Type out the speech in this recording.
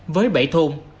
với bảy thôn